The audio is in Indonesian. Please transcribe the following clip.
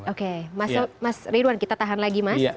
oke mas ridwan kita tahan lagi mas